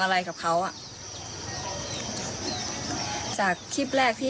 เราไม่ได้เชื่อมชอบกับคนด้วย